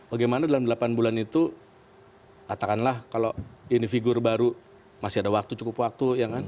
bagaimana dalam delapan bulan itu katakanlah kalau ini figur baru masih ada waktu cukup waktu ya kan